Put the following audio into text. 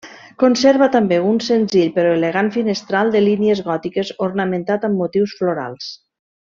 Conserva també un senzill però elegant finestral de línies gòtiques ornamentat amb motius florals.